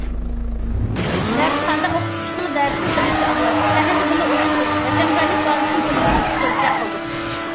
دەرسخانىدا ئوقۇتقۇچىنىڭ دەرسىنى بىرلىكتە ئاڭلاپ، سەھنىدە بىللە ئويۇن قويۇپ، ۋەتەنپەرۋەرلىك بازىسىنى بىرلىكتە ئېكسكۇرسىيە قىلدۇق.